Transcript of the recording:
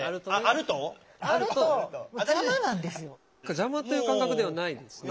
邪魔という感覚ではないですね